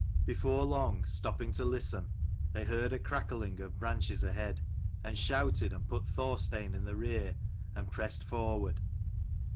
Before long, stopping to listen, they heard a crackling of branches ahead, and shouted, and put Thorstein in the rear, and pressed forward.